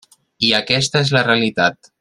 I aquesta és la realitat.